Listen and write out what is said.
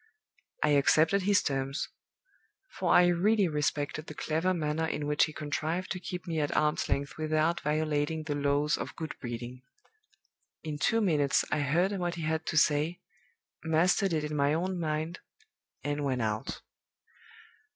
"I accepted his terms; for I really respected the clever manner in which he contrived to keep me at arms length without violating the laws of good breeding. In two minutes I heard what he had to say, mastered it in my own mind, and went out.